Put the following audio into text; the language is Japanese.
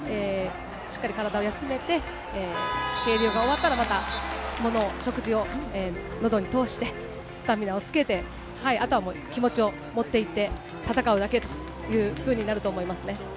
しっかり体を休めて、計量が終わったら、また食事をのどに通して、スタミナをつけて、あとは気持ちを持っていって戦うだけというふうになると思います